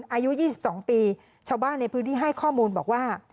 อายุ๒๒ปีชาวบ้านในพื้นที่ให้ข้อมูลบอกว่า